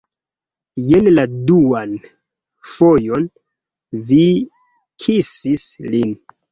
Jen la duan fojon vi kisis lin